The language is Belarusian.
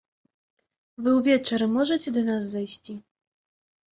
Вы ўвечары можаце да нас зайсці?